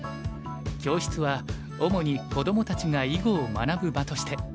教室は主にこどもたちが囲碁を学ぶ場として。